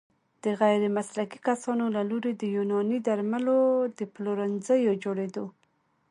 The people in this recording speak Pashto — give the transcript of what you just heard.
د غیرمسلکي کسانو له لوري د يوناني درملو د پلورنځيو جوړیدو